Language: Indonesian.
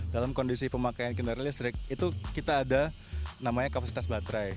dalam kondisi pemakaian kendaraan listrik kita ada kapasitas baterai